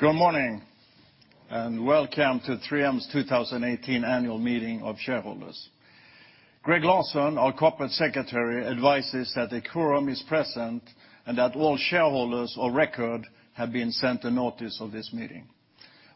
Good morning. Welcome to 3M's 2018 Annual Meeting of Shareholders. Gregg Lawson, our Corporate Secretary, advises that a quorum is present and that all shareholders of record have been sent a notice of this meeting.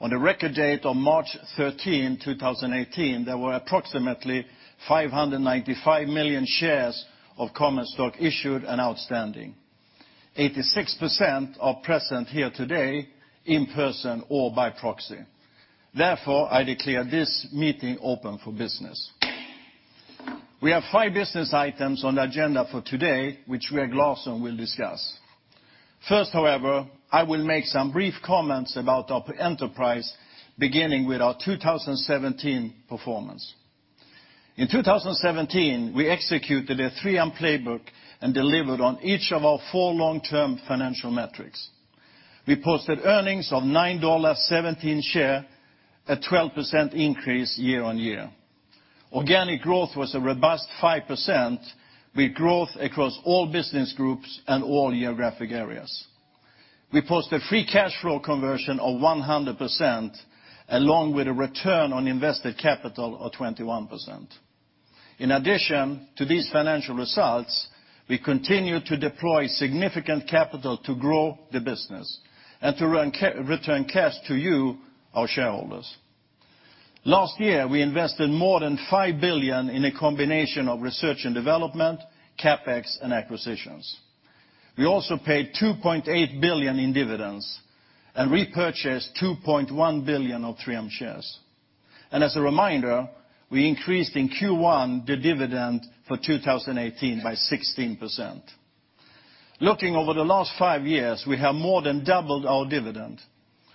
On the record date of March 13, 2018, there were approximately 595 million shares of common stock issued and outstanding. 86% are present here today in person or by proxy. Therefore, I declare this meeting open for business. We have five business items on the agenda for today, which Gregg Lawson will discuss. First, however, I will make some brief comments about our enterprise, beginning with our 2017 performance. In 2017, we executed a 3M playbook and delivered on each of our four long-term financial metrics. We posted earnings of $9.17 share, a 12% increase year-on-year. Organic growth was a robust 5%, with growth across all business groups and all geographic areas. We posted free cash flow conversion of 100%, along with a return on invested capital of 21%. In addition to these financial results, we continued to deploy significant capital to grow the business and to return cash to you, our shareholders. Last year, we invested more than $5 billion in a combination of research and development, CapEx, and acquisitions. We also paid $2.8 billion in dividends and repurchased $2.1 billion of 3M shares. As a reminder, we increased in Q1 the dividend for 2018 by 16%. Looking over the last five years, we have more than doubled our dividend.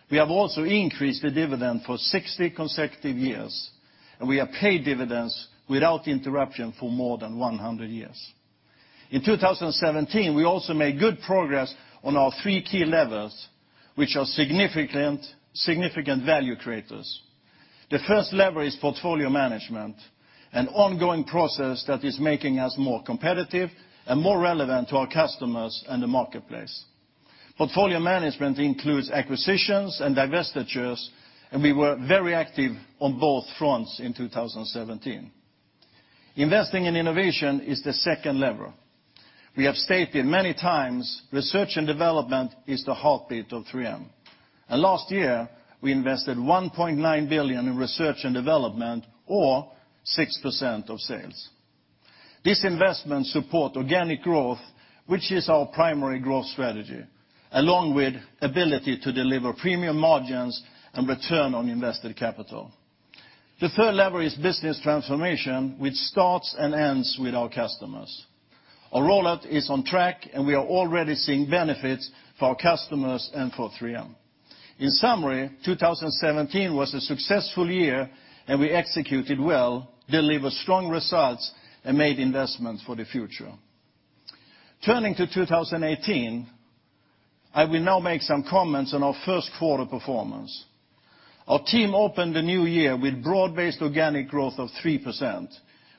We have also increased the dividend for 60 consecutive years, and we have paid dividends without interruption for more than 100 years. In 2017, we also made good progress on our three key levers, which are significant value creators. The first lever is portfolio management, an ongoing process that is making us more competitive and more relevant to our customers and the marketplace. Portfolio management includes acquisitions and divestitures, and we were very active on both fronts in 2017. Investing in innovation is the second lever. We have stated many times, research and development is the heartbeat of 3M. Last year, we invested $1.9 billion in research and development, or 6% of sales. These investments support organic growth, which is our primary growth strategy, along with ability to deliver premium margins and return on invested capital. The third lever is business transformation, which starts and ends with our customers. Our rollout is on track, and we are already seeing benefits for our customers and for 3M. In summary, 2017 was a successful year, and we executed well, delivered strong results, and made investments for the future. Turning to 2018, I will now make some comments on our first quarter performance. Our team opened the new year with broad-based organic growth of 3%,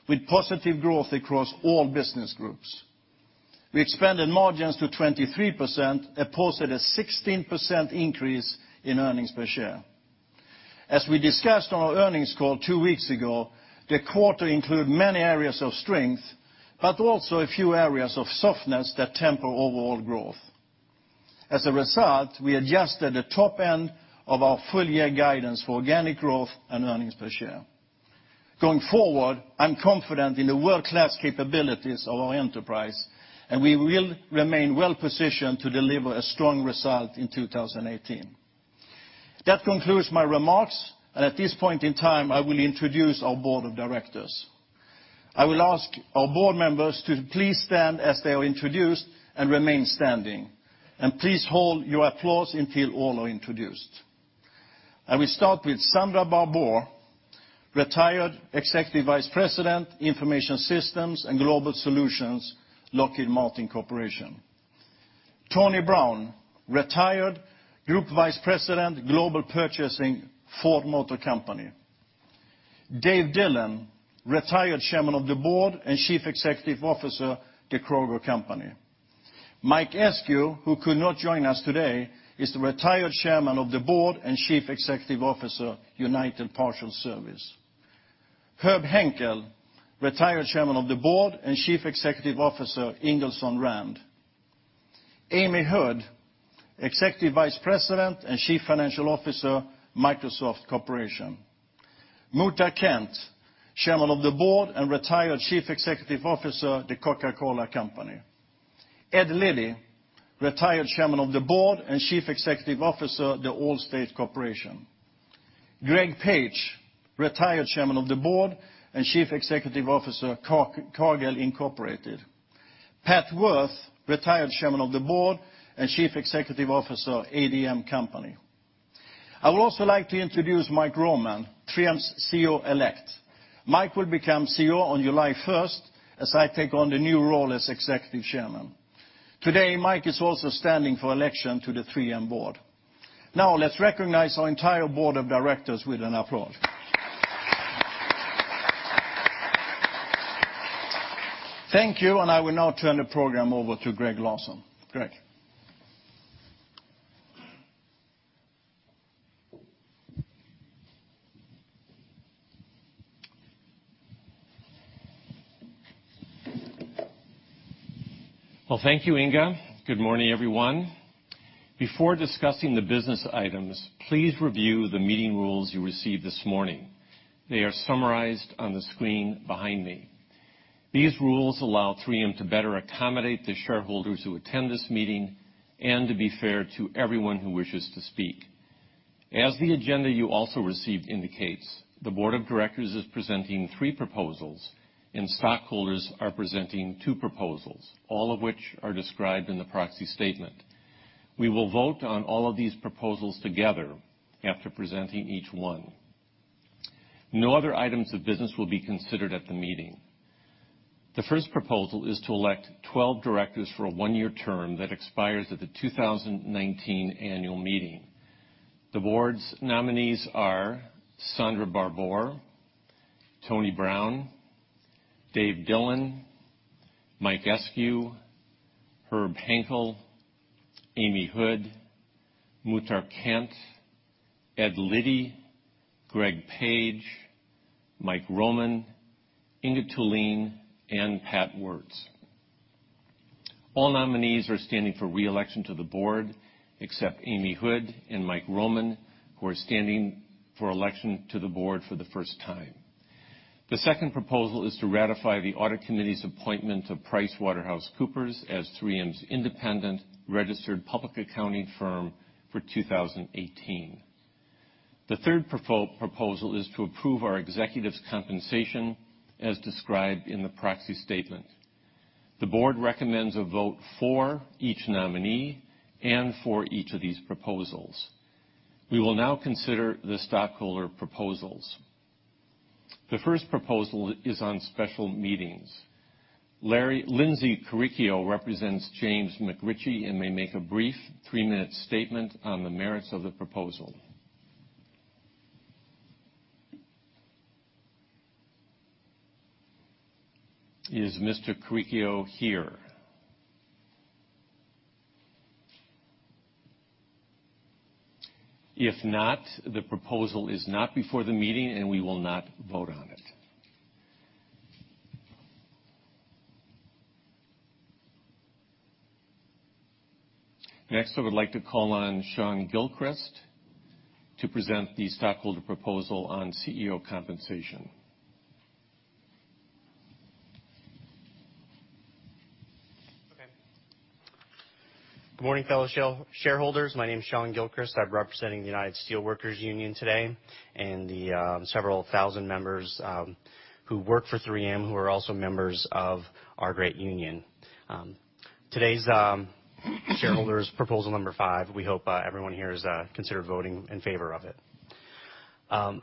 with positive growth across all business groups. We expanded margins to 23% and posted a 16% increase in earnings per share. As we discussed on our earnings call two weeks ago, the quarter included many areas of strength, but also a few areas of softness that temper overall growth. As a result, we adjusted the top end of our full year guidance for organic growth and earnings per share. Going forward, I'm confident in the world-class capabilities of our enterprise, and we will remain well-positioned to deliver a strong result in 2018. That concludes my remarks, and at this point in time, I will introduce our board of directors. I will ask our Board members to please stand as they are introduced and remain standing. Please hold your applause until all are introduced. I will start with Sondra Barbour, retired Executive Vice President, Information Systems and Global Solutions, Lockheed Martin Corporation. Tony Brown, retired Group Vice President, Global Purchasing, Ford Motor Company. Dave Dillon, retired Chairman of the Board and Chief Executive Officer, The Kroger Company. Mike Eskew, who could not join us today, is the retired Chairman of the Board and Chief Executive Officer, United Parcel Service. Herb Henkel, retired Chairman of the Board and Chief Executive Officer, Ingersoll Rand. Amy Hood, Executive Vice President and Chief Financial Officer, Microsoft Corporation. Muhtar Kent, Chairman of the Board and retired Chief Executive Officer, The Coca-Cola Company. Ed Liddy, retired Chairman of the Board and Chief Executive Officer, The Allstate Corporation. Greg Page, retired Chairman of the Board and Chief Executive Officer, Cargill, Incorporated. Pat Woertz, retired Chairman of the Board and Chief Executive Officer, ADM Company. I would also like to introduce Mike Roman, 3M's CEO-elect. Mike will become CEO on July 1st, as I take on the new role as Executive Chairman. Today, Mike is also standing for election to the 3M Board. Let's recognize our entire Board of Directors with an applause. Thank you, and I will now turn the program over to Gregg Lawson. Gregg? Well, thank you, Inge. Good morning, everyone. Before discussing the business items, please review the meeting rules you received this morning. They are summarized on the screen behind me. These rules allow 3M to better accommodate the shareholders who attend this meeting and to be fair to everyone who wishes to speak. As the agenda you also received indicates, the Board of Directors is presenting three proposals, and stockholders are presenting two proposals, all of which are described in the proxy statement. We will vote on all of these proposals together after presenting each one. No other items of business will be considered at the meeting. The first proposal is to elect 12 directors for a one-year term that expires at the 2019 Annual Meeting. The Board's nominees are Sondra Barbour, Tony Brown, Dave Dillon, Mike Eskew, Herb Henkel, Amy Hood, Muhtar Kent, Ed Liddy, Gregg Page, Mike Roman, Inge Thulin, and Pat Woertz. All nominees are standing for re-election to the Board, except Amy Hood and Mike Roman, who are standing for election to the Board for the first time. The second proposal is to ratify the audit committee's appointment of PricewaterhouseCoopers as 3M's independent registered public accounting firm for 2018. The third proposal is to approve our executives' compensation as described in the proxy statement. The Board recommends a vote for each nominee and for each of these proposals. We will consider the stockholder proposals. The first proposal is on special meetings. Lindsay Curricchio represents James McRitchie and may make a brief three-minute statement on the merits of the proposal. Is Mr. Curricchio here? If not, the proposal is not before the meeting, and we will not vote on it. I would like to call on Sean Gilchrist to present the stockholder proposal on CEO compensation. Good morning, fellow shareholders. My name's Sean Gilchrist. I'm representing the United Steelworkers Union today and the several thousand members who work for 3M, who are also members of our great union. Today's shareholders proposal number 5, we hope everyone here is considered voting in favor of it.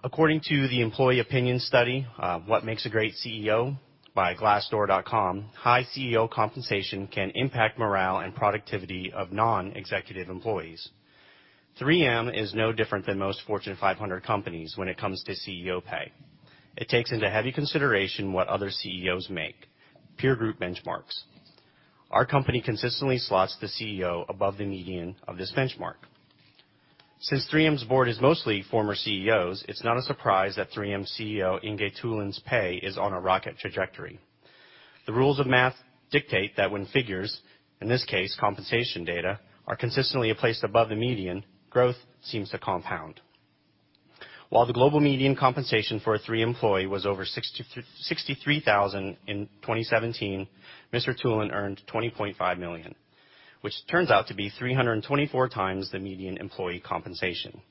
According to the employee opinion study, What Makes a Great CEO? by Glassdoor.com, high CEO compensation can impact morale and productivity of non-executive employees. 3M is no different than most Fortune 500 companies when it comes to CEO pay. It takes into heavy consideration what other CEOs make, peer group benchmarks. Our company consistently slots the CEO above the median of this benchmark. Since 3M's board is mostly former CEOs, it's not a surprise that 3M's CEO, Inge Thulin's pay is on a rocket trajectory. The rules of math dictate that when figures, in this case, compensation data, are consistently placed above the median, growth seems to compound. While the global median compensation for a 3M employee was over $63,000 in 2017, Mr. Thulin earned $20.5 million, which turns out to be 324 times the median employee compensation.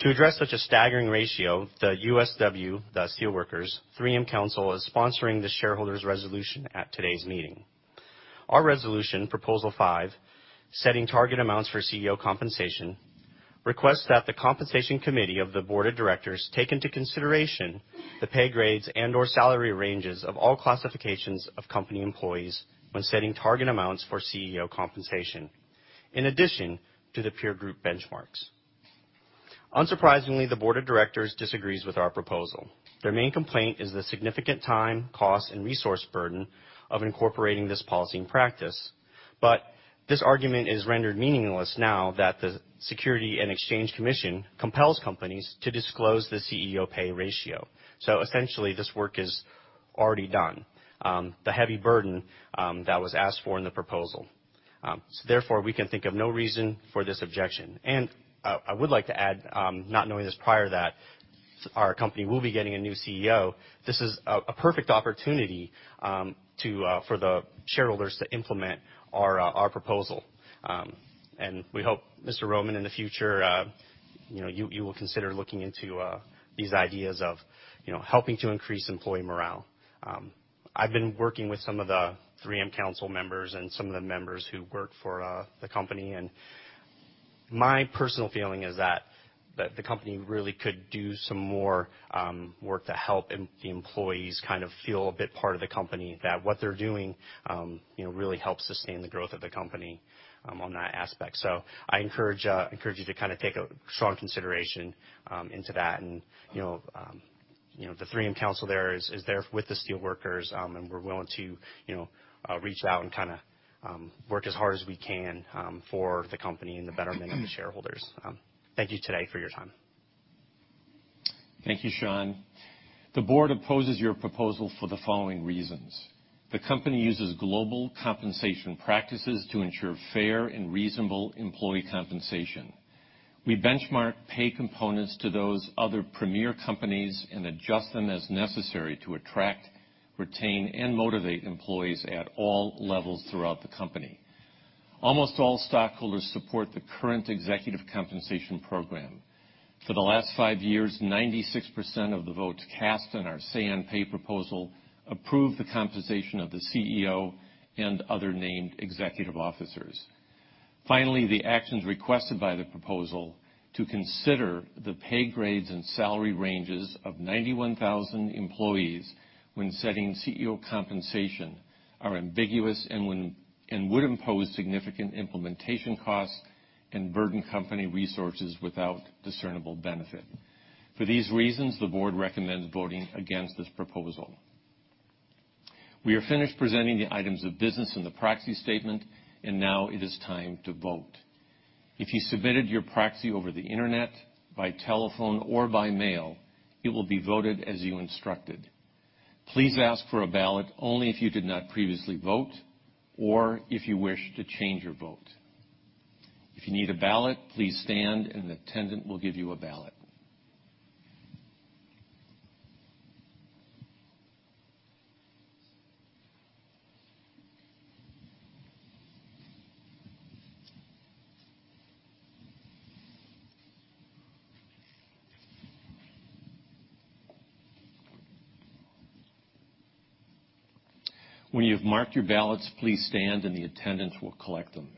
To address such a staggering ratio, the USW, the Steelworkers, 3M Council, is sponsoring the shareholders' resolution at today's meeting. Our resolution, proposal 5, setting target amounts for CEO compensation, requests that the Compensation Committee of the Board of Directors take into consideration the pay grades and/or salary ranges of all classifications of company employees when setting target amounts for CEO compensation, in addition to the peer group benchmarks. Unsurprisingly, the Board of Directors disagrees with our proposal. Their main complaint is the significant time, cost, and resource burden of incorporating this policy and practice. This argument is rendered meaningless now that the Securities and Exchange Commission compels companies to disclose the CEO pay ratio. Essentially, this work is already done, the heavy burden that was asked for in the proposal. Therefore, we can think of no reason for this objection. I would like to add, not knowing this prior, that our company will be getting a new CEO. This is a perfect opportunity for the shareholders to implement our proposal. We hope, Mr. Roman, in the future, you will consider looking into these ideas of helping to increase employee morale. I've been working with some of the 3M Council members and some of the members who work for the company. My personal feeling is that the company really could do some more work to help the employees kind of feel a bit part of the company, that what they're doing really helps sustain the growth of the company on that aspect. I encourage you to kind of take a strong consideration into that. The 3M Council is there with the steelworkers, and we're willing to reach out and work as hard as we can for the company and the betterment of the shareholders. Thank you today for your time. Thank you, Sean. The board opposes your proposal for the following reasons. The company uses global compensation practices to ensure fair and reasonable employee compensation. We benchmark pay components to those other premier companies and adjust them as necessary to attract, retain, and motivate employees at all levels throughout the company. Almost all stockholders support the current executive compensation program. For the last five years, 96% of the votes cast on our say on pay proposal approved the compensation of the CEO and other named executive officers. Finally, the actions requested by the proposal to consider the pay grades and salary ranges of 91,000 employees when setting CEO compensation are ambiguous and would impose significant implementation costs and burden company resources without discernible benefit. For these reasons, the board recommends voting against this proposal. We are finished presenting the items of business in the proxy statement. Now it is time to vote. If you submitted your proxy over the internet, by telephone, or by mail, it will be voted as you instructed. Please ask for a ballot only if you did not previously vote or if you wish to change your vote. If you need a ballot, please stand and the attendant will give you a ballot. When you've marked your ballots, please stand and the attendants will collect them.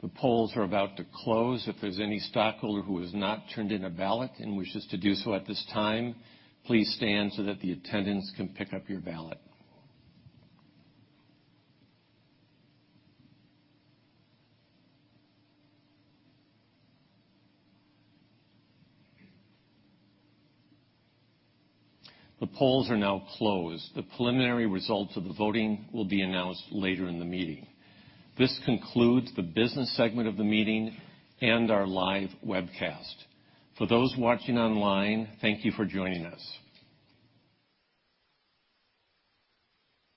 The polls are about to close. If there's any stockholder who has not turned in a ballot and wishes to do so at this time, please stand so that the attendants can pick up your ballot. The polls are now closed. The preliminary results of the voting will be announced later in the meeting. This concludes the business segment of the meeting and our live webcast. For those watching online, thank you for joining us.